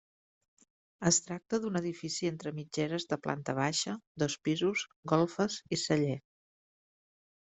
Es tracta d'un edifici entre mitgeres de planta baixa, dos pisos, golfes i celler.